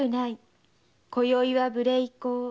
今宵は無礼講。